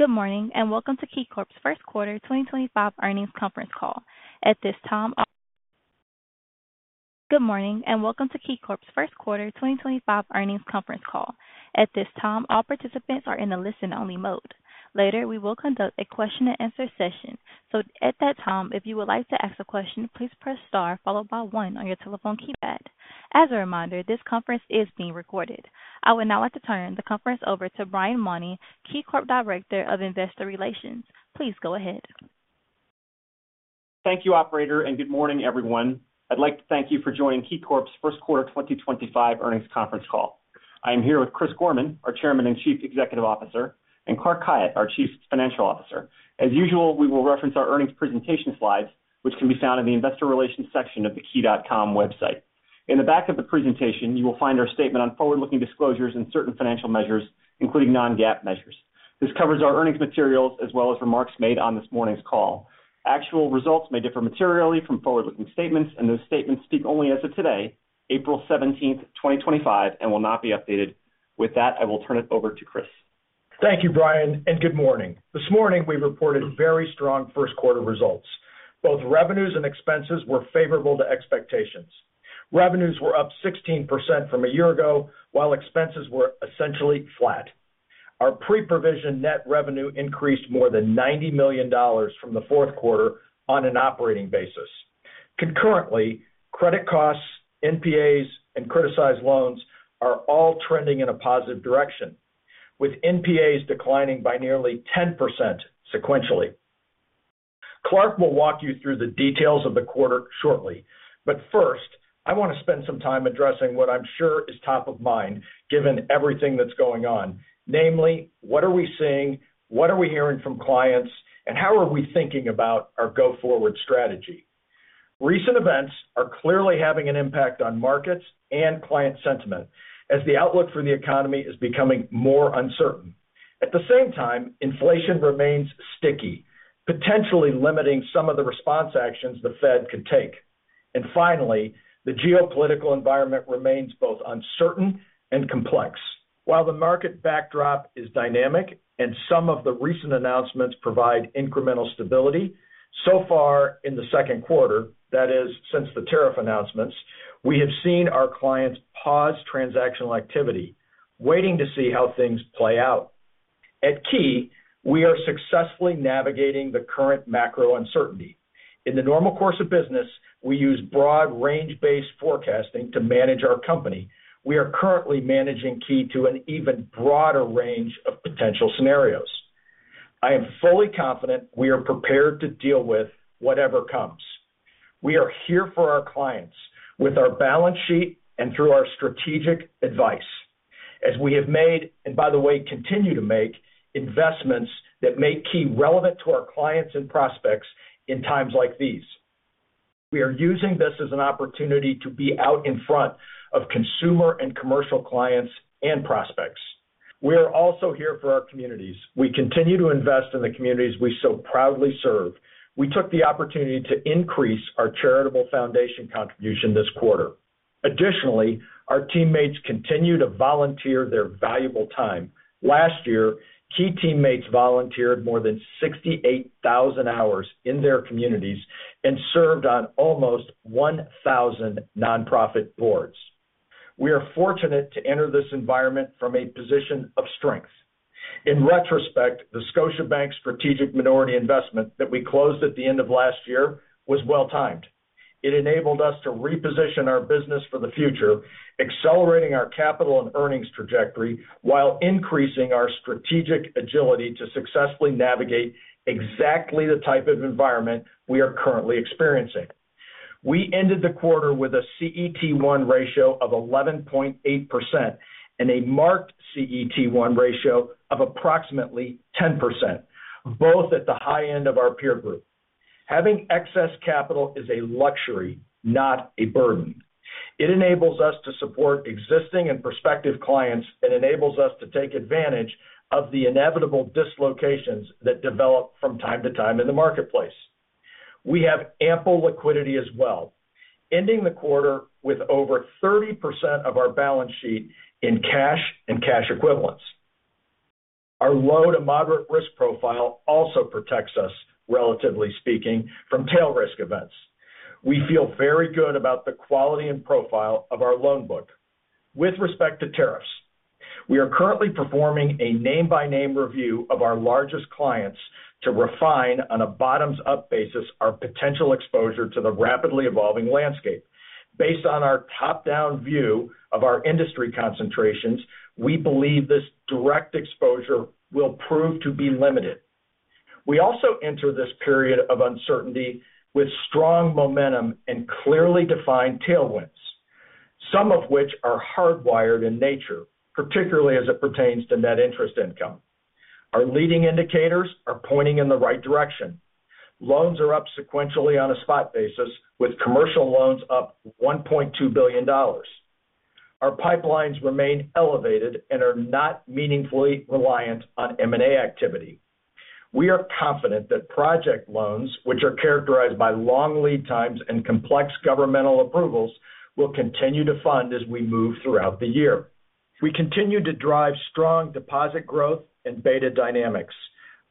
Good morning, and welcome to KeyCorp's First Quarter 2025 Earnings Conference Call. At this time, all participants are in the listen-only mode. Later, we will conduct a question-and-answer session, so at that time, if you would like to ask a question, please press star followed by one on your telephone keypad. As a reminder, this conference is being recorded. I would now like to turn the conference over to Brian Mauney, KeyCorp Director of Investor Relations. Please go ahead. Thank you, operator, and good morning, everyone. I'd like to thank you for joining KeyCorp's First Quarter 2025 Earnings Conference Call. I am here with Chris Gorman, our Chairman and Chief Executive Officer, and Clark Khayat, our Chief Financial Officer. As usual, we will reference our earnings presentation slides, which can be found in the Investor Relations section of the key.com website. In the back of the presentation, you will find our statement on forward-looking disclosures and certain financial measures, including non-GAAP measures. This covers our earnings materials as well as remarks made on this morning's call. Actual results may differ materially from forward-looking statements, and those statements speak only as of today, April 17th, 2025, and will not be updated. With that, I will turn it over to Chris. Thank you, Brian, and good morning. This morning, we reported very strong first-quarter results. Both revenues and expenses were favorable to expectations. Revenues were up 16% from a year ago, while expenses were essentially flat. Our pre-provision net revenue increased more than $90 million from the fourth quarter on an operating basis. Concurrently, credit costs, NPAs, and criticized loans are all trending in a positive direction, with NPAs declining by nearly 10% sequentially. Clark will walk you through the details of the quarter shortly, but first, I want to spend some time addressing what I'm sure is top of mind given everything that's going on, namely, what are we seeing, what are we hearing from clients, and how are we thinking about our go-forward strategy. Recent events are clearly having an impact on markets and client sentiment as the outlook for the economy is becoming more uncertain. At the same time, inflation remains sticky, potentially limiting some of the response actions the Fed could take. Finally, the geopolitical environment remains both uncertain and complex. While the market backdrop is dynamic and some of the recent announcements provide incremental stability, so far in the second quarter, that is, since the tariff announcements, we have seen our clients pause transactional activity, waiting to see how things play out. At Key, we are successfully navigating the current macro uncertainty. In the normal course of business, we use broad range-based forecasting to manage our company. We are currently managing Key to an even broader range of potential scenarios. I am fully confident we are prepared to deal with whatever comes. We are here for our clients with our balance sheet and through our strategic advice, as we have made and, by the way, continue to make investments that make Key relevant to our clients and prospects in times like these. We are using this as an opportunity to be out in front of consumer and commercial clients and prospects. We are also here for our communities. We continue to invest in the communities we so proudly serve. We took the opportunity to increase our charitable foundation contribution this quarter. Additionally, our teammates continue to volunteer their valuable time. Last year, Key teammates volunteered more than 68,000 hours in their communities and served on almost 1,000 nonprofit boards. We are fortunate to enter this environment from a position of strength. In retrospect, the Scotiabank Strategic Minority Investment that we closed at the end of last year was well-timed. It enabled us to reposition our business for the future, accelerating our capital and earnings trajectory while increasing our strategic agility to successfully navigate exactly the type of environment we are currently experiencing. We ended the quarter with a CET1 ratio of 11.8% and a marked CET1 ratio of approximately 10%, both at the high end of our peer group. Having excess capital is a luxury, not a burden. It enables us to support existing and prospective clients and enables us to take advantage of the inevitable dislocations that develop from time to time in the marketplace. We have ample liquidity as well, ending the quarter with over 30% of our balance sheet in cash and cash equivalents. Our low to moderate risk profile also protects us, relatively speaking, from tail risk events. We feel very good about the quality and profile of our loan book. With respect to tariffs, we are currently performing a name-by-name review of our largest clients to refine on a bottoms-up basis our potential exposure to the rapidly evolving landscape. Based on our top-down view of our industry concentrations, we believe this direct exposure will prove to be limited. We also enter this period of uncertainty with strong momentum and clearly defined tailwinds, some of which are hardwired in nature, particularly as it pertains to net interest income. Our leading indicators are pointing in the right direction. Loans are up sequentially on a spot basis, with commercial loans up $1.2 billion. Our pipelines remain elevated and are not meaningfully reliant on M&A activity. We are confident that project loans, which are characterized by long lead times and complex governmental approvals, will continue to fund as we move throughout the year. We continue to drive strong deposit growth and beta dynamics.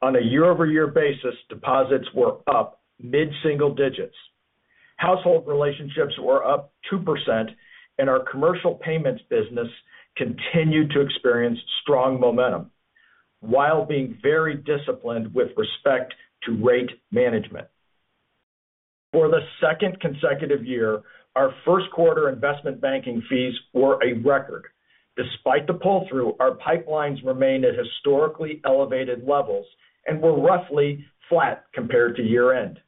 On a year-over-year basis, deposits were up mid-single digits. Household relationships were up 2%, and our commercial payments business continued to experience strong momentum while being very disciplined with respect to rate management. For the second consecutive year, our first-quarter investment banking fees were a record. Despite the pull-through, our pipelines remain at historically elevated levels and were roughly flat compared to year-end.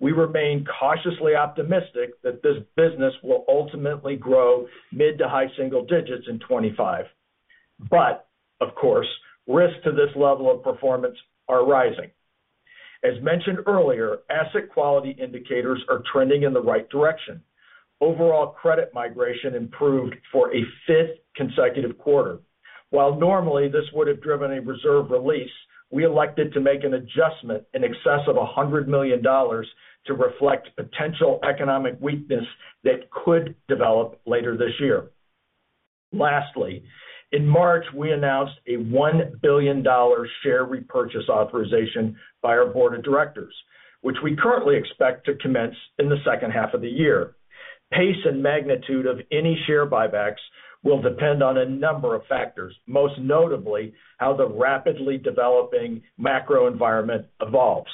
We remain cautiously optimistic that this business will ultimately grow mid to high single digits in 2025. Of course, risks to this level of performance are rising. As mentioned earlier, asset quality indicators are trending in the right direction. Overall credit migration improved for a fifth consecutive quarter. While normally this would have driven a reserve release, we elected to make an adjustment in excess of $100 million to reflect potential economic weakness that could develop later this year. Lastly, in March, we announced a $1 billion share repurchase authorization by our Board of Directors, which we currently expect to commence in the second half of the year. Pace and magnitude of any share buybacks will depend on a number of factors, most notably how the rapidly developing macro environment evolves.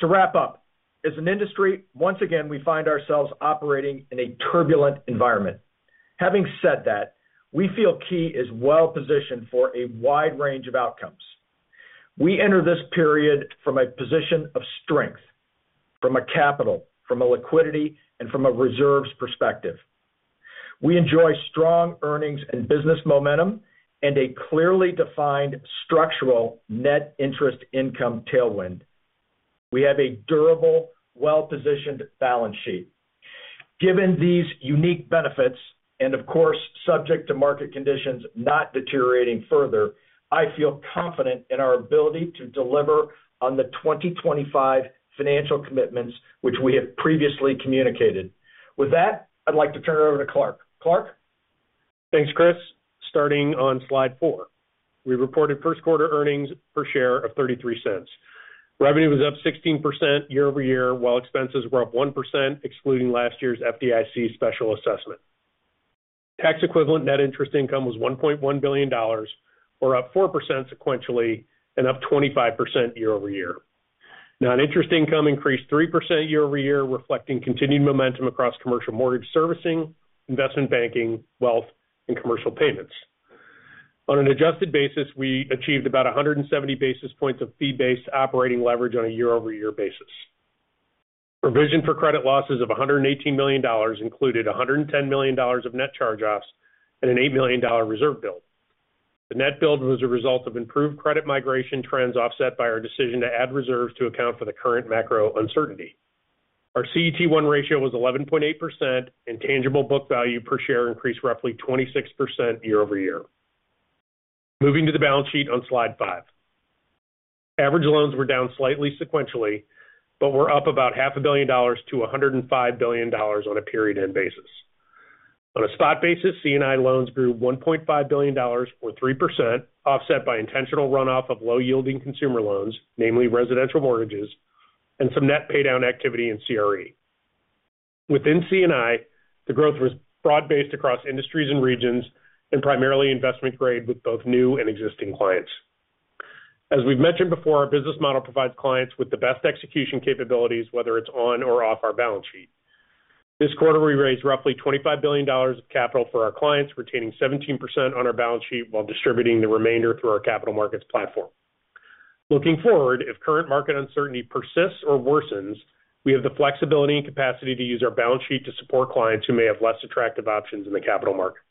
To wrap up, as an industry, once again, we find ourselves operating in a turbulent environment. Having said that, we feel Key is well-positioned for a wide range of outcomes. We enter this period from a position of strength, from a capital, from a liquidity, and from a reserves perspective. We enjoy strong earnings and business momentum and a clearly defined structural net interest income tailwind. We have a durable, well-positioned balance sheet. Given these unique benefits and, of course, subject to market conditions not deteriorating further, I feel confident in our ability to deliver on the 2025 financial commitments, which we have previously communicated. With that, I'd like to turn it over to Clark. Clark? Thanks, Chris. Starting on slide four, we reported first-quarter earnings per share of $0.33. Revenue was up 16% year-over-year, while expenses were up 1%, excluding last year's FDIC special assessment. Tax-equivalent net interest income was $1.1 billion, or up 4% sequentially and up 25% year-over-year. Non-interest income increased 3% year-over-year, reflecting continued momentum across commercial mortgage servicing, investment banking, wealth, and commercial payments. On an adjusted basis, we achieved about 170 basis points of fee-based operating leverage on a year-over-year basis. Provision for credit losses of $118 million included $110 million of net charge-offs and an $8 million reserve build. The net build was a result of improved credit migration trends offset by our decision to add reserves to account for the current macro uncertainty. Our CET1 ratio was 11.8%, and tangible book value per share increased roughly 26% year-over-year. Moving to the balance sheet on slide five, average loans were down slightly sequentially, but were up about $500,000,000 to $105 billion on a period-end basis. On a spot basis, C&I loans grew $1.5 billion, or 3%, offset by intentional runoff of low-yielding consumer loans, namely residential mortgages, and some net paydown activity in CRE. Within C&I, the growth was broad-based across industries and regions, and primarily investment-grade with both new and existing clients. As we've mentioned before, our business model provides clients with the best execution capabilities, whether it's on or off our balance sheet. This quarter, we raised roughly $25 billion of capital for our clients, retaining 17% on our balance sheet while distributing the remainder through our Capital Markets platform. Looking forward, if current market uncertainty persists or worsens, we have the flexibility and capacity to use our balance sheet to support clients who may have less attractive options in the capital markets.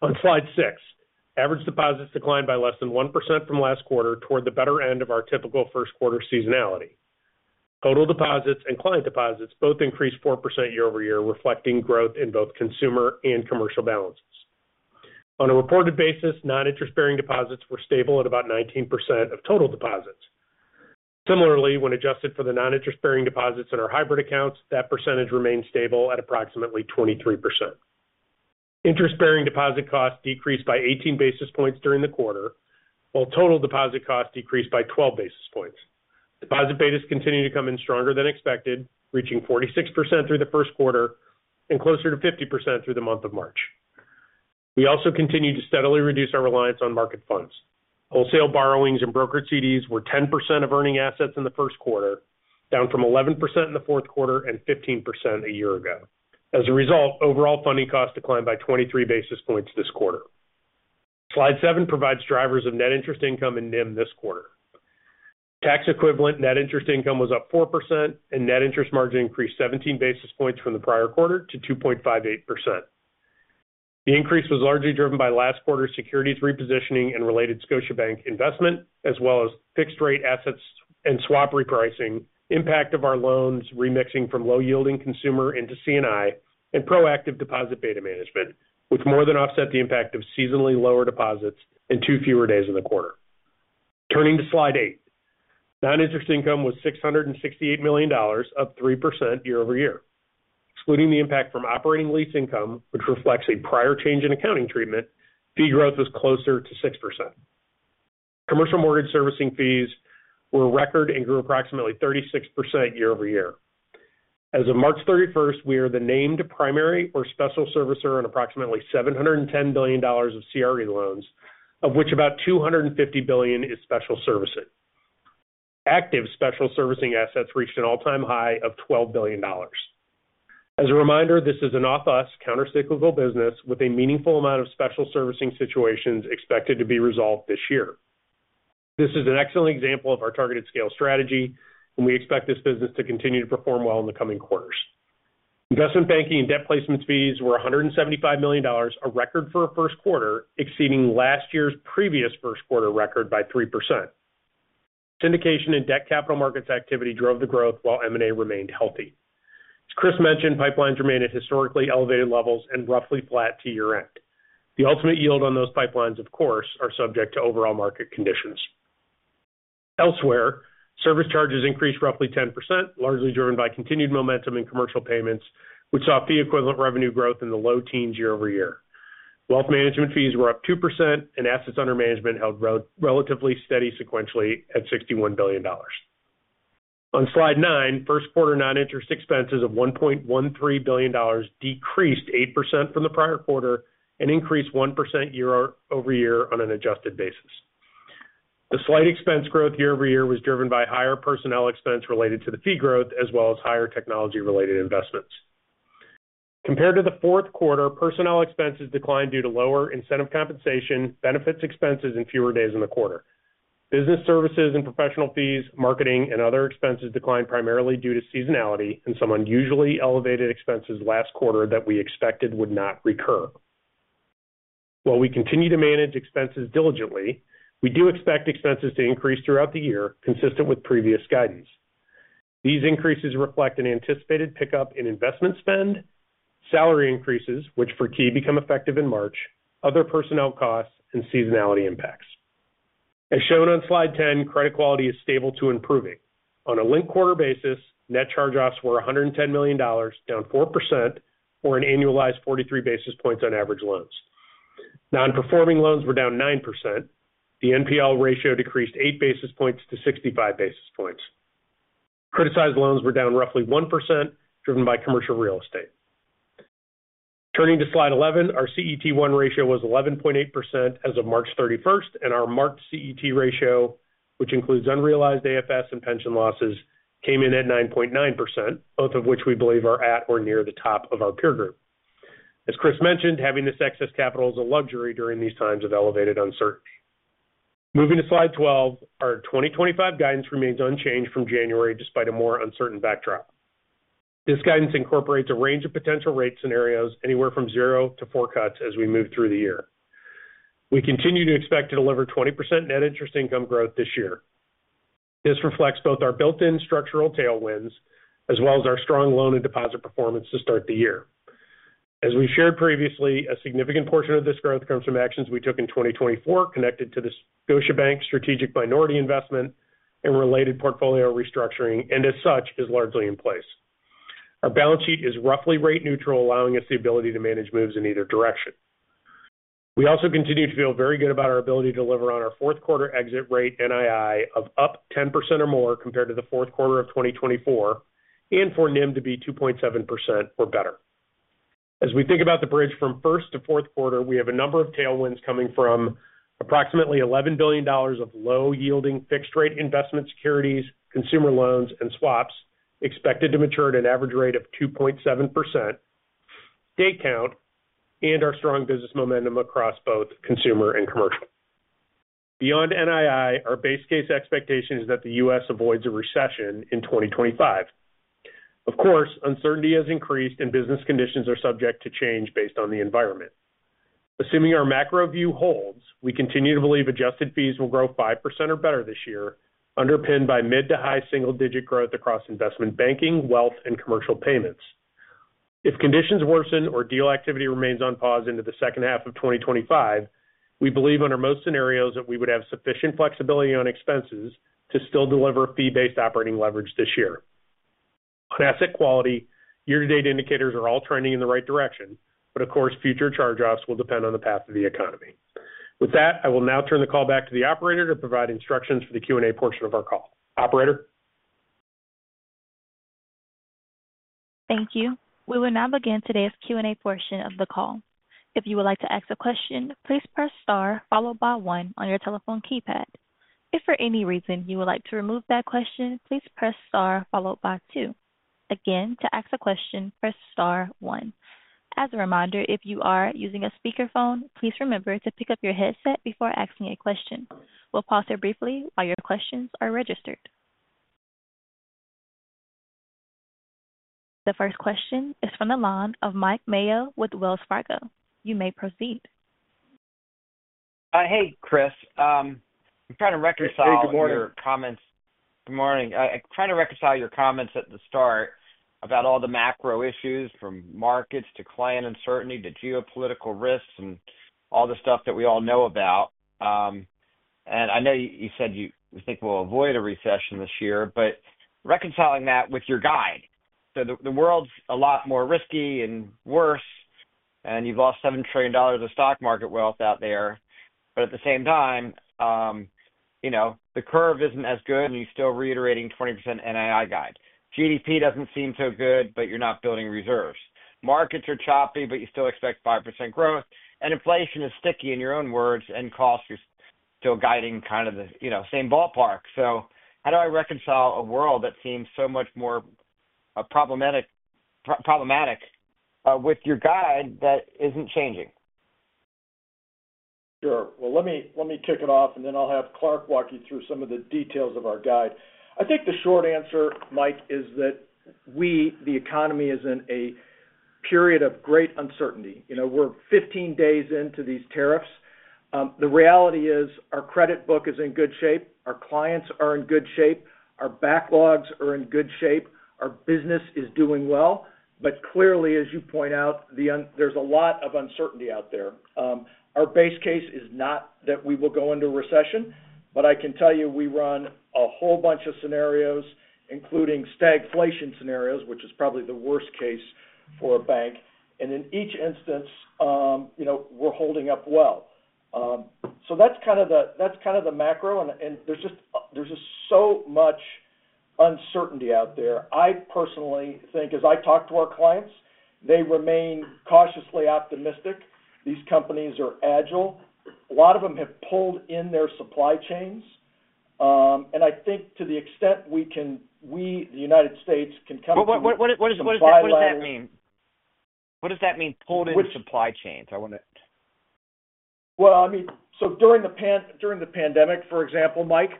On slide six, average deposits declined by less than 1% from last quarter toward the better end of our typical first-quarter seasonality. Total deposits and client deposits both increased 4% year-over-year, reflecting growth in both consumer and commercial balances. On a reported basis, non-interest-bearing deposits were stable at about 19% of total deposits. Similarly, when adjusted for the non-interest-bearing deposits in our hybrid accounts, that percentage remained stable at approximately 23%. Interest-bearing deposit costs decreased by 18 basis points during the quarter, while total deposit costs decreased by 12 basis points. Deposit beta has continued to come in stronger than expected, reaching 46% through the first quarter and closer to 50% through the month of March. We also continue to steadily reduce our reliance on market funds. Wholesale borrowings and brokered CDs were 10% of earning assets in the first quarter, down from 11% in the fourth quarter and 15% a year ago. As a result, overall funding costs declined by 23 basis points this quarter. Slide seven provides drivers of net interest income and NIM this quarter. Tax-equivalent net interest income was up 4%, and net interest margin increased 17 basis points from the prior quarter to 2.58%. The increase was largely driven by last quarter's securities repositioning and related Scotiabank investment, as well as fixed-rate assets and swap repricing, impact of our loans remixing from low-yielding consumer into C&I, and proactive deposit beta management, which more than offset the impact of seasonally lower deposits and two fewer days in the quarter. Turning to slide eight, non-interest income was $668 million, up 3% year-over-year. Excluding the impact from operating lease income, which reflects a prior change in accounting treatment, fee growth was closer to 6%. Commercial mortgage servicing fees were record and grew approximately 36% year-over-year. As of March 31st, we are the named primary or special servicer on approximately $710 billion of CRE loans, of which about $250 billion is special servicing. Active special servicing assets reached an all-time high of $12 billion. As a reminder, this is an off-us countercyclical business with a meaningful amount of special servicing situations expected to be resolved this year. This is an excellent example of our targeted scale strategy, and we expect this business to continue to perform well in the coming quarters. Investment banking and debt placement fees were $175 million, a record for a first quarter, exceeding last year's previous first-quarter record by 3%. Syndication and debt capital markets activity drove the growth, while M&A remained healthy. As Chris mentioned, pipelines remained at historically elevated levels and roughly flat to year-end. The ultimate yield on those pipelines, of course, is subject to overall market conditions. Elsewhere, service charges increased roughly 10%, largely driven by continued momentum in commercial payments, which saw fee-equivalent revenue growth in the low teens year-over-year. Wealth management fees were up 2%, and assets under management held relatively steady sequentially at $61 billion. On slide nine, first-quarter non-interest expenses of $1.13 billion decreased 8% from the prior quarter and increased 1% year-over-year on an adjusted basis. The slight expense growth year-over-year was driven by higher personnel expense related to the fee growth, as well as higher technology-related investments. Compared to the fourth quarter, personnel expenses declined due to lower incentive compensation, benefits expenses, and fewer days in the quarter. Business services and professional fees, marketing, and other expenses declined primarily due to seasonality and some unusually elevated expenses last quarter that we expected would not recur. While we continue to manage expenses diligently, we do expect expenses to increase throughout the year, consistent with previous guidance. These increases reflect an anticipated pickup in investment spend, salary increases, which for Key become effective in March, other personnel costs, and seasonality impacts. As shown on slide 10, credit quality is stable to improving. On a linked quarter basis, net charge-offs were $110 million, down 4%, or an annualized 43 basis points on average loans. Non-performing loans were down 9%. The NPL ratio decreased 8 basis points to 65 basis points. Criticized loans were down roughly 1%, driven by commercial real estate. Turning to slide 11, our CET1 ratio was 11.8% as of March 31st, and our marked CET ratio, which includes unrealized AFS and pension losses, came in at 9.9%, both of which we believe are at or near the top of our peer group. As Chris mentioned, having this excess capital is a luxury during these times of elevated uncertainty. Moving to slide 12, our 2025 guidance remains unchanged from January despite a more uncertain backdrop. This guidance incorporates a range of potential rate scenarios anywhere from zero to four cuts as we move through the year. We continue to expect to deliver 20% net interest income growth this year. This reflects both our built-in structural tailwinds as well as our strong loan and deposit performance to start the year. As we've shared previously, a significant portion of this growth comes from actions we took in 2024 connected to the Scotiabank Strategic Minority Investment and related portfolio restructuring, and as such, is largely in place. Our balance sheet is roughly rate neutral, allowing us the ability to manage moves in either direction. We also continue to feel very good about our ability to deliver on our fourth-quarter exit rate NII of up 10% or more compared to the fourth quarter of 2024, and for NIM to be 2.7% or better. As we think about the bridge from first to fourth quarter, we have a number of tailwinds coming from approximately $11 billion of low-yielding fixed-rate investment securities, consumer loans, and swaps expected to mature at an average rate of 2.7%, day count, and our strong business momentum across both consumer and commercial. Beyond NII, our base case expectation is that the U.S. avoids a recession in 2025. Of course, uncertainty has increased, and business conditions are subject to change based on the environment. Assuming our macro view holds, we continue to believe adjusted fees will grow 5% or better this year, underpinned by mid to high single-digit growth across investment banking, wealth, and commercial payments. If conditions worsen or deal activity remains on pause into the second half of 2025, we believe under most scenarios that we would have sufficient flexibility on expenses to still deliver fee-based operating leverage this year. On asset quality, year-to-date indicators are all trending in the right direction, but of course, future charge-offs will depend on the path of the economy. With that, I will now turn the call back to the operator to provide instructions for the Q&A portion of our call. Operator. Thank you. We will now begin today's Q&A portion of the call. If you would like to ask a question, please press star followed by one on your telephone keypad. If for any reason you would like to remove that question, please press star followed by two. Again, to ask a question, press star one. As a reminder, if you are using a speakerphone, please remember to pick up your headset before asking a question. We'll pause here briefly while your questions are registered. The first question is from the line of Mike Mayo with Wells Fargo. You may proceed. Hey, Chris. I'm trying to reconcile your comments. Hey, good morning. Good morning. I'm trying to reconcile your comments at the start about all the macro issues from markets to client uncertainty to geopolitical risks and all the stuff that we all know about. I know you said you think we'll avoid a recession this year, but reconciling that with your guide. The world's a lot more risky and worse, and you've lost $7 trillion of stock market wealth out there. At the same time, the curve isn't as good, and you're still reiterating 20% NII guide. GDP doesn't seem so good, but you're not building reserves. Markets are choppy, but you still expect 5% growth. Inflation is sticky in your own words, and costs are still guiding kind of the same ballpark. How do I reconcile a world that seems so much more problematic with your guide that isn't changing? Sure. Let me kick it off, and then I'll have Clark walk you through some of the details of our guide. I think the short answer, Mike, is that we, the economy, is in a period of great uncertainty. We're 15 days into these tariffs. The reality is our credit book is in good shape. Our clients are in good shape. Our backlogs are in good shape. Our business is doing well. Clearly, as you point out, there's a lot of uncertainty out there. Our base case is not that we will go into a recession, but I can tell you we run a whole bunch of scenarios, including stagflation scenarios, which is probably the worst case for a bank. In each instance, we're holding up well. That is kind of the macro, and there's just so much uncertainty out there. I personally think, as I talk to our clients, they remain cautiously optimistic. These companies are agile. A lot of them have pulled in their supply chains. I think to the extent we can, we, the U.S., can come to. What does that mean? What does that mean, pulled in supply chains? I want to. I mean, during the pandemic, for example, Mike,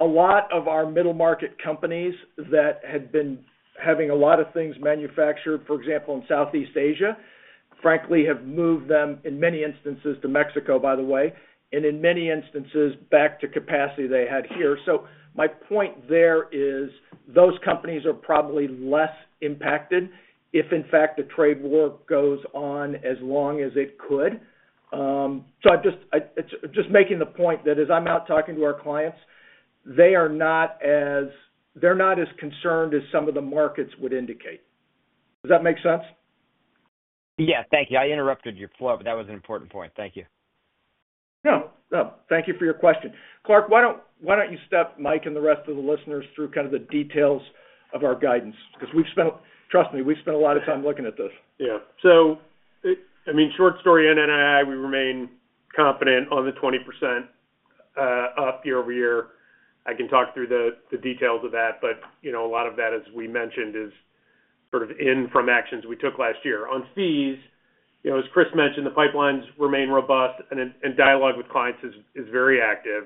a lot of our middle market companies that had been having a lot of things manufactured, for example, in Southeast Asia, frankly, have moved them in many instances to Mexico, by the way, and in many instances back to capacity they had here. My point there is those companies are probably less impacted if, in fact, the trade war goes on as long as it could. I am just making the point that as I am out talking to our clients, they are not as concerned as some of the markets would indicate. Does that make sense? Yeah. Thank you. I interrupted your flow, but that was an important point. Thank you. No. No. Thank you for your question. Clark, why don't you step Mike and the rest of the listeners through kind of the details of our guidance? Because trust me, we spent a lot of time looking at this. Yeah. I mean, short story in NII, we remain confident on the 20% up year-over-year. I can talk through the details of that, but a lot of that, as we mentioned, is sort of in from actions we took last year. On fees, as Chris mentioned, the pipelines remain robust, and dialogue with clients is very active.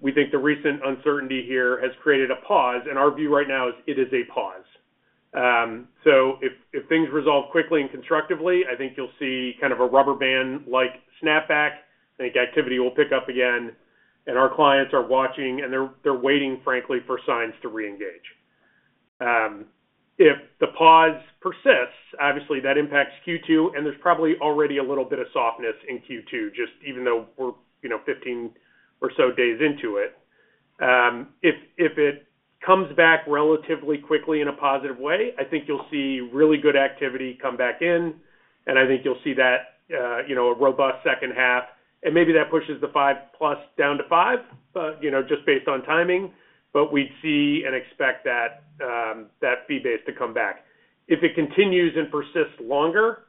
We think the recent uncertainty here has created a pause, and our view right now is it is a pause. If things resolve quickly and constructively, I think you'll see kind of a rubber band-like snapback. I think activity will pick up again, and our clients are watching, and they're waiting, frankly, for signs to reengage. If the pause persists, obviously, that impacts Q2, and there's probably already a little bit of softness in Q2, just even though we're 15 or so days into it. If it comes back relatively quickly in a positive way, I think you'll see really good activity come back in, and I think you'll see that a robust second half. Maybe that pushes the five-plus down to five, just based on timing, but we'd see and expect that fee base to come back. If it continues and persists longer,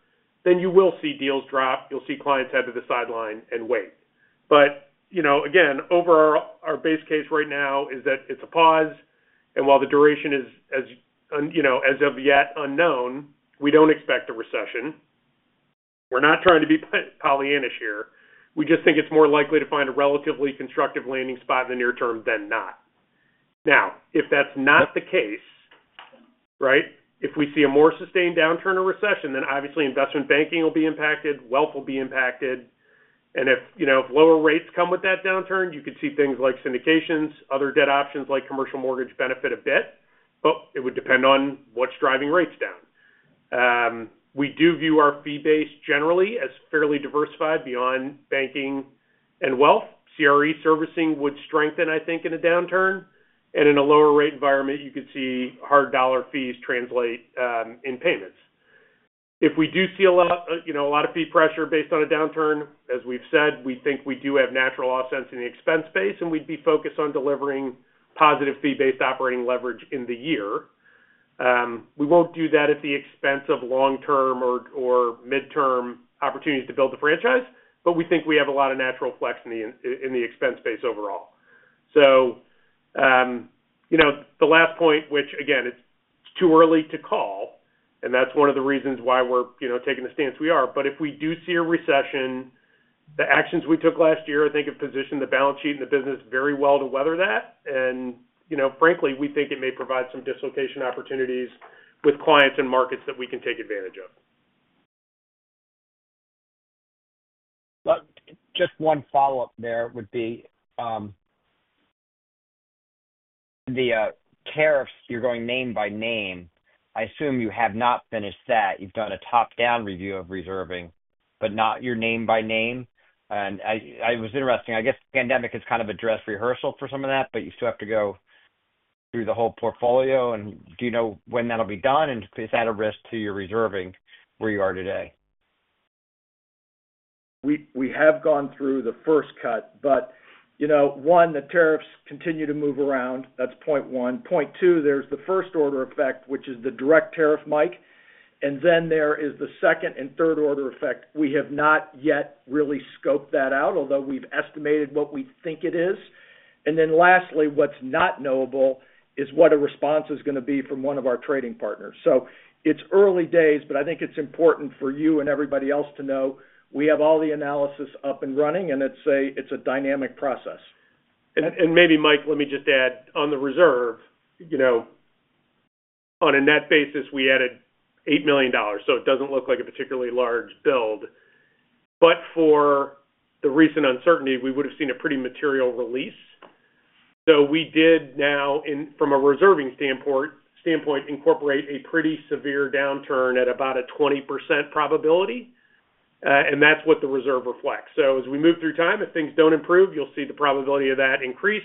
you will see deals drop. You'll see clients head to the sideline and wait. Again, our base case right now is that it's a pause, and while the duration is as of yet unknown, we don't expect a recession. We're not trying to be Pollyannish here. We just think it's more likely to find a relatively constructive landing spot in the near term than not. Now, if that's not the case, right, if we see a more sustained downturn or recession, then obviously investment banking will be impacted, wealth will be impacted. If lower rates come with that downturn, you could see things like syndications, other debt options like commercial mortgage benefit a bit, but it would depend on what's driving rates down. We do view our fee base generally as fairly diversified beyond banking and wealth. CRE servicing would strengthen, I think, in a downturn. In a lower rate environment, you could see hard dollar fees translate in payments. If we do see a lot of fee pressure based on a downturn, as we've said, we think we do have natural offsets in the expense base, and we'd be focused on delivering positive fee-based operating leverage in the year. We will not do that at the expense of long-term or mid-term opportunities to build the franchise, but we think we have a lot of natural flex in the expense base overall. The last point, which again, it is too early to call, and that is one of the reasons why we are taking the stance we are. If we do see a recession, the actions we took last year, I think, have positioned the balance sheet and the business very well to weather that. Frankly, we think it may provide some dislocation opportunities with clients and markets that we can take advantage of. Just one follow-up there would be the tariffs you're going name by name. I assume you have not finished that. You've done a top-down review of reserving, but not your name by name. It was interesting. I guess the pandemic has kind of addressed rehearsal for some of that, but you still have to go through the whole portfolio. Do you know when that'll be done, and is that a risk to your reserving where you are today? We have gone through the first cut, but one, the tariffs continue to move around. That is point one. Point two, there is the first order effect, which is the direct tariff, Mike. Then there is the second and third order effect. We have not yet really scoped that out, although we have estimated what we think it is. Lastly, what is not knowable is what a response is going to be from one of our trading partners. It is early days, but I think it is important for you and everybody else to know we have all the analysis up and running, and it is a dynamic process. Maybe, Mike, let me just add on the reserve. On a net basis, we added $8 million, so it does not look like a particularly large build. For the recent uncertainty, we would have seen a pretty material release. We did now, from a reserving standpoint, incorporate a pretty severe downturn at about a 20% probability, and that is what the reserve reflects. As we move through time, if things do not improve, you will see the probability of that increase,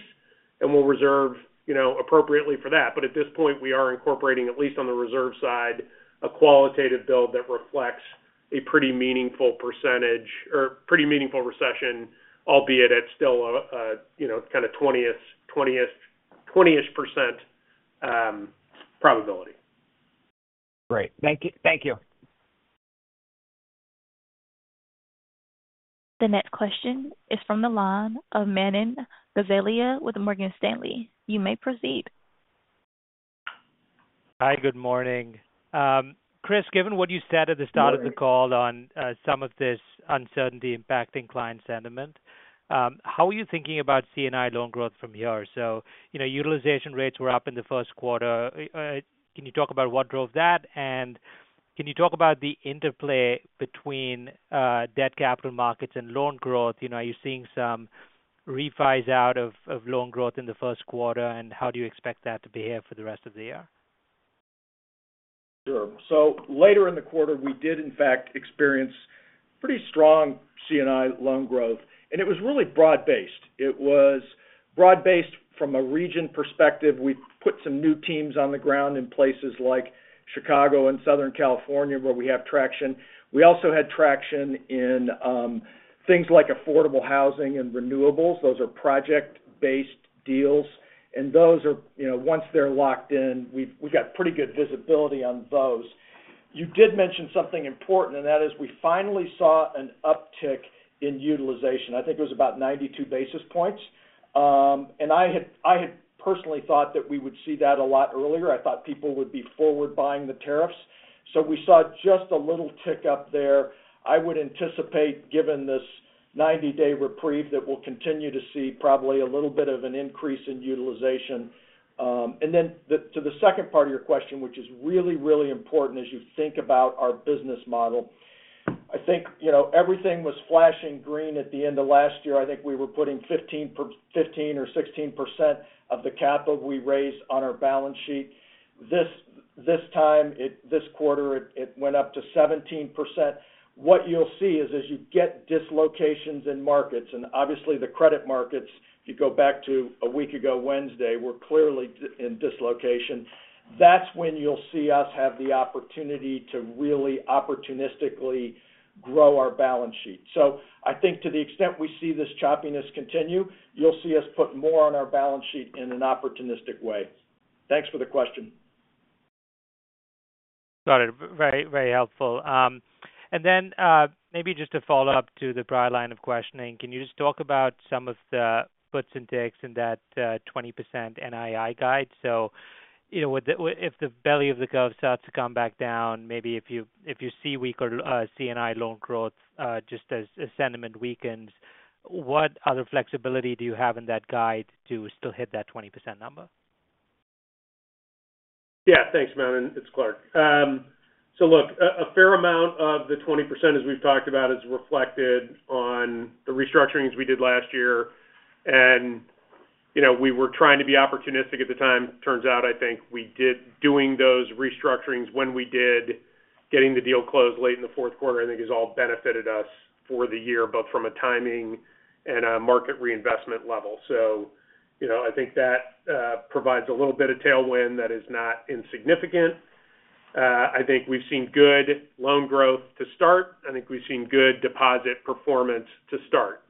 and we will reserve appropriately for that. At this point, we are incorporating, at least on the reserve side, a qualitative build that reflects a pretty meaningful percentage or pretty meaningful recession, albeit at still a kind of 20% probability. Great. Thank you. The next question is from the line of Manan Gosalia with Morgan Stanley. You may proceed. Hi, good morning. Chris, given what you said at the start of the call on some of this uncertainty impacting client sentiment, how are you thinking about C&I loan growth from here? Utilization rates were up in the first quarter. Can you talk about what drove that? Can you talk about the interplay between debt capital markets and loan growth? Are you seeing some revised out of loan growth in the first quarter, and how do you expect that to behave for the rest of the year? Sure. Later in the quarter, we did, in fact, experience pretty strong C&I loan growth, and it was really broad-based. It was broad-based from a region perspective. We put some new teams on the ground in places like Chicago and Southern California where we have traction. We also had traction in things like affordable housing and renewables. Those are project-based deals. Once they're locked in, we've got pretty good visibility on those. You did mention something important, and that is we finally saw an uptick in utilization. I think it was about 92 basis points. I had personally thought that we would see that a lot earlier. I thought people would be forward buying the tariffs. We saw just a little tick up there. I would anticipate, given this 90-day reprieve, that we'll continue to see probably a little bit of an increase in utilization. To the second part of your question, which is really, really important as you think about our business model, I think everything was flashing green at the end of last year. I think we were putting 15% or 16% of the capital we raised on our balance sheet. This time, this quarter, it went up to 17%. What you'll see is as you get dislocations in markets, and obviously the credit markets, if you go back to a week ago, Wednesday, we're clearly in dislocation. That is when you'll see us have the opportunity to really opportunistically grow our balance sheet. I think to the extent we see this choppiness continue, you'll see us put more on our balance sheet in an opportunistic way. Thanks for the question. Got it. Very helpful. Maybe just to follow up to the broad line of questioning, can you just talk about some of the puts and takes in that 20% NII guide? If the belly of the gulf starts to come back down, maybe if you see weaker C&I loan growth, just as sentiment weakens, what other flexibility do you have in that guide to still hit that 20% number? Yeah. Thanks, Manan. It's Clark. Look, a fair amount of the 20%, as we've talked about, is reflected on the restructurings we did last year. We were trying to be opportunistic at the time. Turns out, I think we did doing those restructurings when we did, getting the deal closed late in the fourth quarter, I think has all benefited us for the year, both from a timing and a market reinvestment level. I think that provides a little bit of tailwind that is not insignificant. I think we've seen good loan growth to start. I think we've seen good deposit performance to start.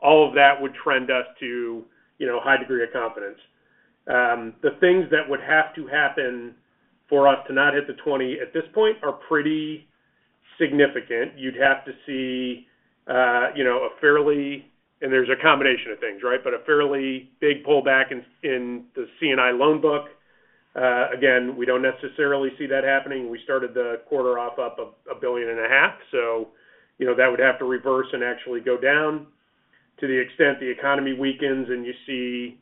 All of that would trend us to a high degree of confidence. The things that would have to happen for us to not hit the 20% at this point are pretty significant. You'd have to see a fairly—and there's a combination of things, right?—but a fairly big pullback in the C&I loan book. Again, we don't necessarily see that happening. We started the quarter off up $1.5 billion, so that would have to reverse and actually go down to the extent the economy weakens and you see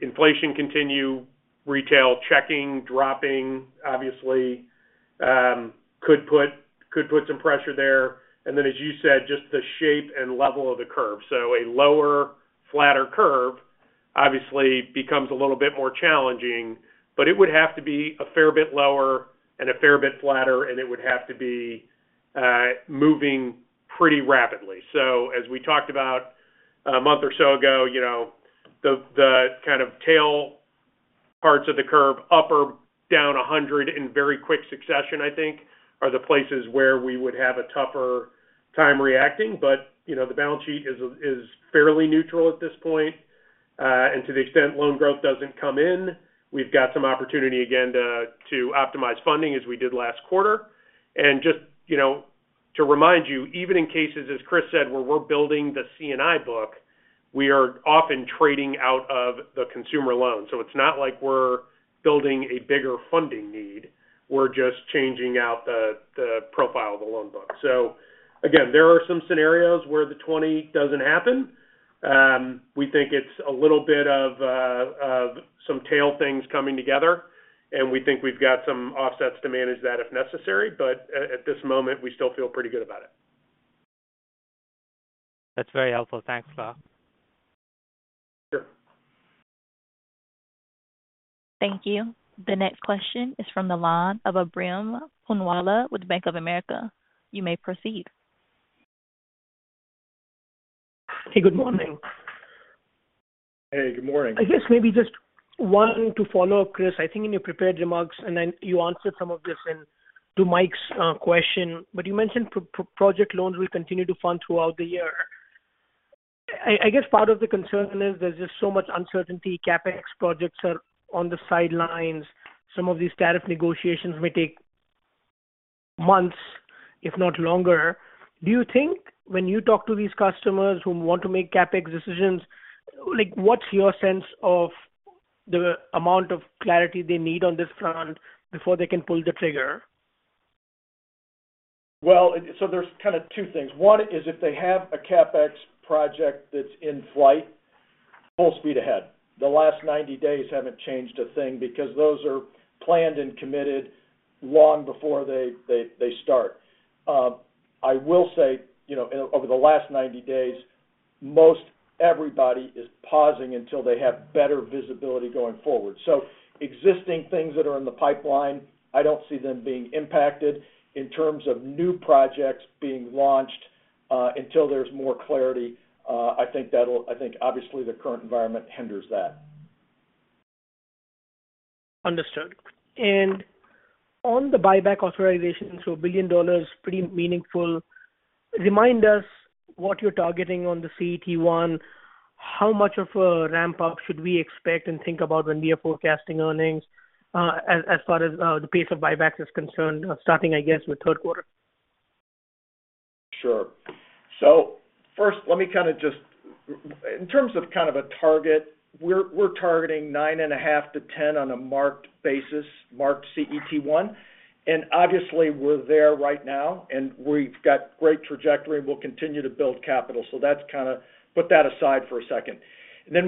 inflation continue, retail checking dropping, obviously, could put some pressure there. As you said, just the shape and level of the curve. A lower, flatter curve obviously becomes a little bit more challenging, but it would have to be a fair bit lower and a fair bit flatter, and it would have to be moving pretty rapidly. As we talked about a month or so ago, the kind of tail parts of the curve, up or down 100 in very quick succession, I think, are the places where we would have a tougher time reacting. The balance sheet is fairly neutral at this point. To the extent loan growth does not come in, we have some opportunity again to optimize funding as we did last quarter. Just to remind you, even in cases, as Chris said, where we are building the C&I book, we are often trading out of the consumer loan. It is not like we are building a bigger funding need. We are just changing out the profile of the loan book. Again, there are some scenarios where the 20 does not happen. We think it's a little bit of some tail things coming together, and we think we've got some offsets to manage that if necessary. At this moment, we still feel pretty good about it. That's very helpful. Thanks, Clark. Sure. Thank you. The next question is from the line of Ebrahim Poonawala with Bank of America. You may proceed. Hey, good morning. Hey, good morning. I guess maybe just one to follow-up, Chris. I think in your prepared remarks, and then you answered some of this in to Mike's question, but you mentioned project loans will continue to fund throughout the year. I guess part of the concern is there's just so much uncertainty. CapEx projects are on the sidelines. Some of these tariff negotiations may take months, if not longer. Do you think when you talk to these customers who want to make CapEx decisions, what's your sense of the amount of clarity they need on this front before they can pull the trigger? There are kind of two things. One is if they have a CapEx project that's in flight, full speed ahead. The last 90 days haven't changed a thing because those are planned and committed long before they start. I will say over the last 90 days, most everybody is pausing until they have better visibility going forward. Existing things that are in the pipeline, I don't see them being impacted in terms of new projects being launched until there's more clarity. I think obviously the current environment hinders that. Understood. On the buyback authorization, so $1 billion, pretty meaningful. Remind us what you're targeting on the CET1. How much of a ramp-up should we expect and think about when we are forecasting earnings as far as the pace of buybacks is concerned, starting, I guess, with third quarter? Sure. First, let me kind of just in terms of kind of a target, we're targeting 9.5-10 on a marked basis, marked CET1. Obviously, we're there right now, and we've got great trajectory, and we'll continue to build capital. That's kind of put that aside for a second.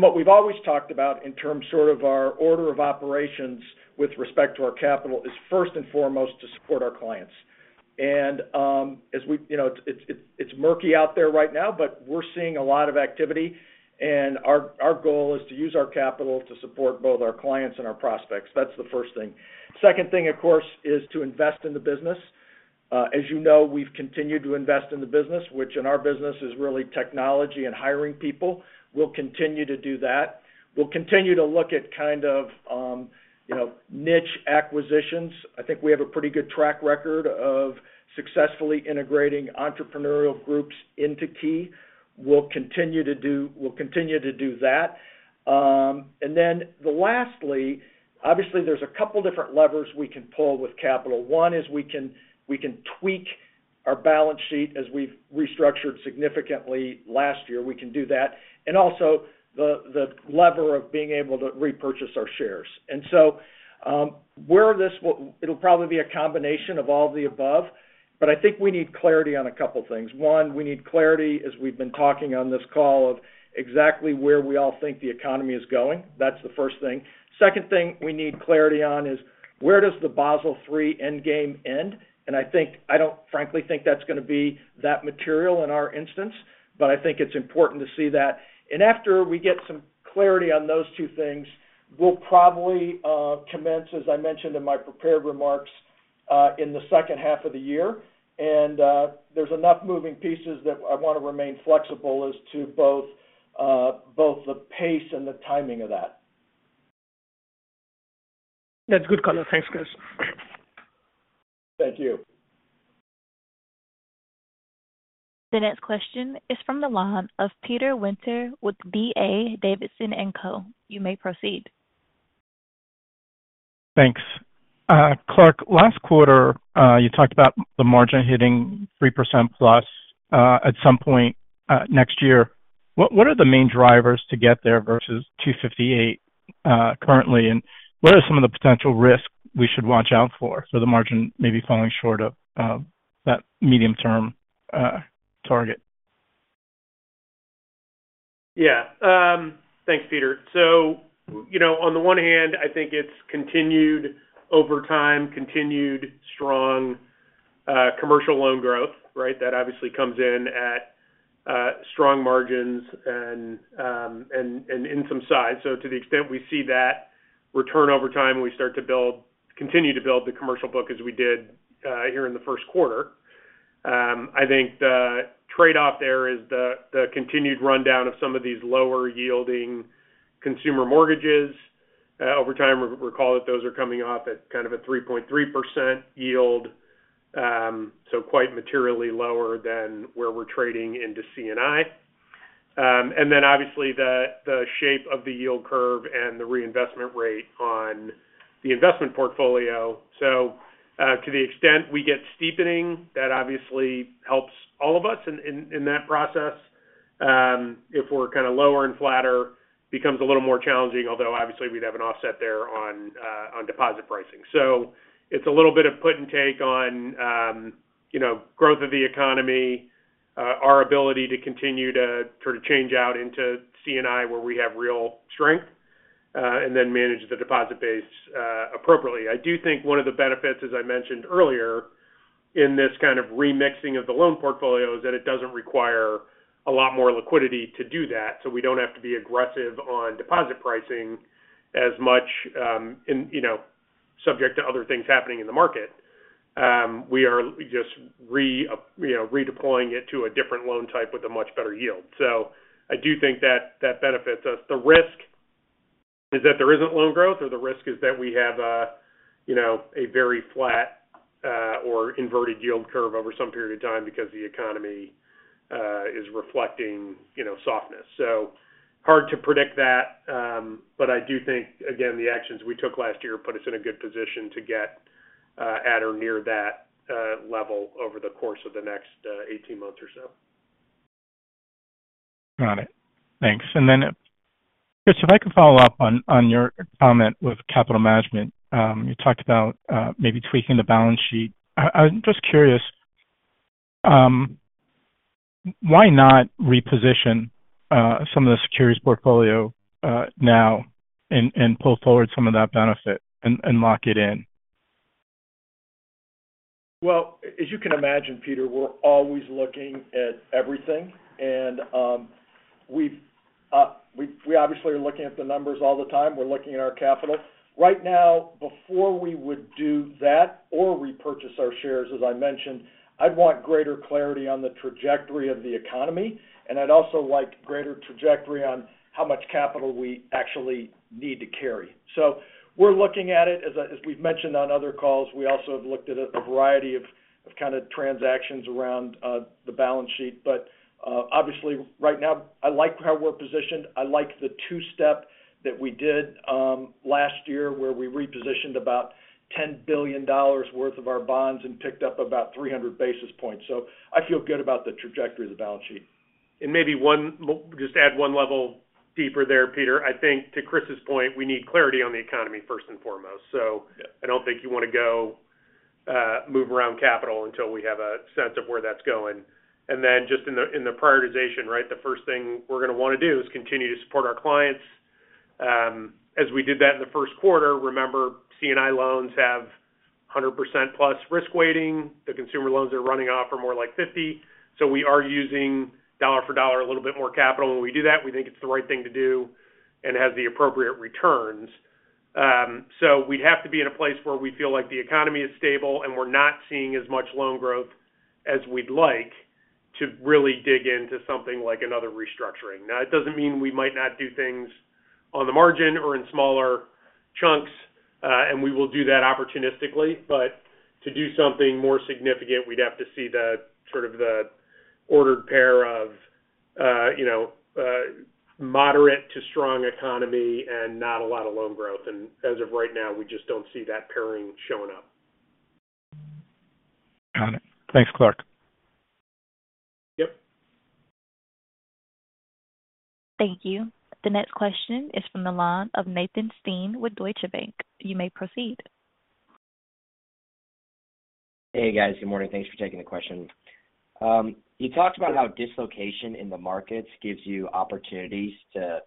What we've always talked about in terms sort of our order of operations with respect to our capital is first and foremost to support our clients. It's murky out there right now, but we're seeing a lot of activity. Our goal is to use our capital to support both our clients and our prospects. That's the first thing. Second thing, of course, is to invest in the business. As you know, we've continued to invest in the business, which in our business is really technology and hiring people. We'll continue to do that. We'll continue to look at kind of niche acquisitions. I think we have a pretty good track record of successfully integrating entrepreneurial groups into Key. We'll continue to do that. And then lastly, obviously, there's a couple of different levers we can pull with capital. One is we can tweak our balance sheet as we've restructured significantly last year. We can do that. And also the lever of being able to repurchase our shares. Where this will probably be a combination of all the above, but I think we need clarity on a couple of things. One, we need clarity, as we've been talking on this call, of exactly where we all think the economy is going. That's the first thing. Second thing we need clarity on is where does the Basel III Endgame end? I do not frankly think that is going to be that material in our instance, but I think it is important to see that. After we get some clarity on those two things, we will probably commence, as I mentioned in my prepared remarks, in the second half of the year. There are enough moving pieces that I want to remain flexible as to both the pace and the timing of that. That's good color. Thanks, Chris. Thank you. The next question is from the line of Peter Winter with DA Davidson & Co. You may proceed. Thanks. Clark, last quarter, you talked about the margin hitting 3%+ at some point next year. What are the main drivers to get there versus 2.58% currently? What are some of the potential risks we should watch out for, so the margin maybe falling short of that medium-term target? Yeah. Thanks, Peter. On the one hand, I think it's continued over time, continued strong commercial loan growth, right? That obviously comes in at strong margins and in some size. To the extent we see that return over time when we start to build, continue to build the commercial book as we did here in the first quarter, I think the trade-off there is the continued rundown of some of these lower-yielding consumer mortgages. Over time, recall that those are coming off at kind of a 3.3% yield, so quite materially lower than where we're trading into C&I. Obviously, the shape of the yield curve and the reinvestment rate on the investment portfolio matter. To the extent we get steepening, that obviously helps all of us in that process. If we're kind of lower and flatter, it becomes a little more challenging, although obviously we'd have an offset there on deposit pricing. It's a little bit of put and take on growth of the economy, our ability to continue to sort of change out into C&I where we have real strength, and then manage the deposit base appropriately. I do think one of the benefits, as I mentioned earlier, in this kind of remixing of the loan portfolio is that it doesn't require a lot more liquidity to do that. We don't have to be aggressive on deposit pricing as much subject to other things happening in the market. We are just redeploying it to a different loan type with a much better yield. I do think that that benefits us. The risk is that there isn't loan growth, or the risk is that we have a very flat or inverted yield curve over some period of time because the economy is reflecting softness. It is hard to predict that, but I do think, again, the actions we took last year put us in a good position to get at or near that level over the course of the next 18 months or so. Got it. Thanks. Chris, if I could follow up on your comment with capital management, you talked about maybe tweaking the balance sheet. I'm just curious, why not reposition some of the securities portfolio now and pull forward some of that benefit and lock it in? As you can imagine, Peter, we're always looking at everything. We obviously are looking at the numbers all the time. We're looking at our capital. Right now, before we would do that or repurchase our shares, as I mentioned, I'd want greater clarity on the trajectory of the economy. I'd also like greater trajectory on how much capital we actually need to carry. We're looking at it, as we've mentioned on other calls. We also have looked at a variety of kind of transactions around the balance sheet. Obviously, right now, I like how we're positioned. I like the two-step that we did last year where we repositioned about $10 billion worth of our bonds and picked up about 300 basis points. I feel good about the trajectory of the balance sheet. Maybe just add one level deeper there, Peter. I think to Chris's point, we need clarity on the economy first and foremost. I do not think you want to go move around capital until we have a sense of where that is going. In the prioritization, the first thing we are going to want to do is continue to support our clients. As we did that in the first quarter, remember, C&I loans have 100%+ risk weighting. The consumer loans that are running off are more like 50%. We are using dollar for dollar a little bit more capital. When we do that, we think it is the right thing to do and has the appropriate returns. We would have to be in a place where we feel like the economy is stable and we are not seeing as much loan growth as we would like to really dig into something like another restructuring. Now, it doesn't mean we might not do things on the margin or in smaller chunks, and we will do that opportunistically. To do something more significant, we'd have to see sort of the ordered pair of moderate to strong economy and not a lot of loan growth. As of right now, we just don't see that pairing showing up. Got it. Thanks, Clark. Yep. Thank you. The next question is from the line of Nathan Stein with Deutsche Bank. You may proceed. Hey, guys. Good morning. Thanks for taking the question. You talked about how dislocation in the markets gives you opportunities to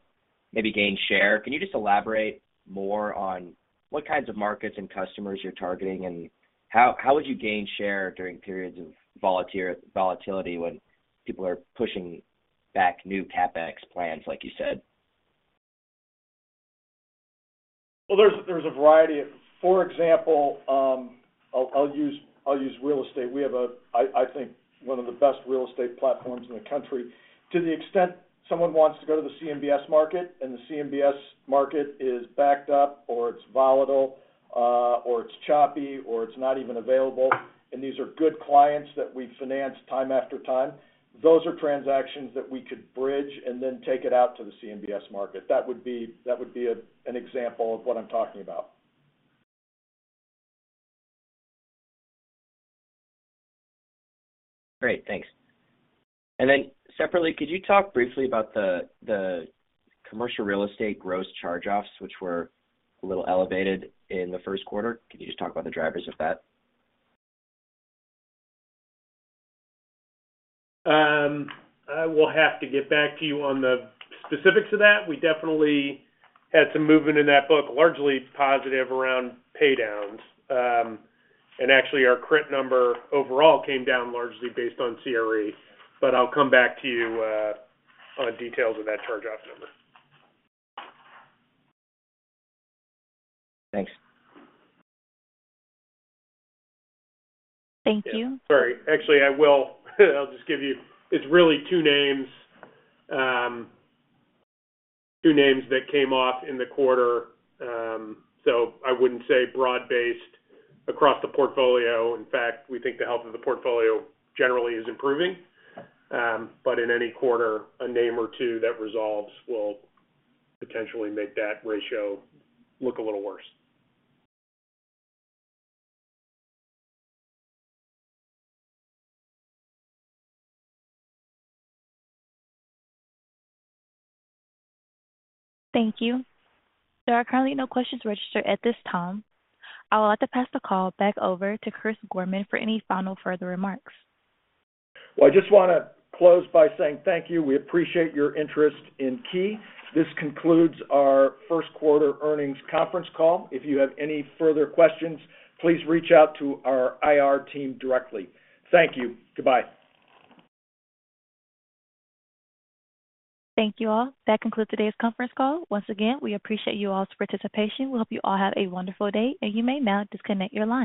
maybe gain share. Can you just elaborate more on what kinds of markets and customers you're targeting and how would you gain share during periods of volatility when people are pushing back new CapEx plans, like you said? There is a variety. For example, I'll use real estate. We have, I think, one of the best real estate platforms in the country. To the extent someone wants to go to the CMBS market and the CMBS market is backed up or it's volatile or it's choppy or it's not even available, and these are good clients that we finance time after time, those are transactions that we could bridge and then take it out to the CMBS market. That would be an example of what I'm talking about. Great. Thanks. Could you talk briefly about the commercial real estate gross charge-offs, which were a little elevated in the first quarter? Can you just talk about the drivers of that? I will have to get back to you on the specifics of that. We definitely had some movement in that book, largely positive around paydowns. Actually, our CRIT number overall came down largely based on CRE. I will come back to you on details of that charge-off number. Thanks. Thank you. Sorry. Actually, I'll just give you it's really two names that came off in the quarter. I wouldn't say broad-based across the portfolio. In fact, we think the health of the portfolio generally is improving. In any quarter, a name or two that resolves will potentially make that ratio look a little worse. Thank you. There are currently no questions registered at this time. I'll have to pass the call back over to Chris Gorman for any final further remarks. I just want to close by saying thank you. We appreciate your interest in Key. This concludes our first quarter earnings conference call. If you have any further questions, please reach out to our IR team directly. Thank you. Goodbye. Thank you all. That concludes today's conference call. Once again, we appreciate you all's participation. We hope you all have a wonderful day, and you may now disconnect your line.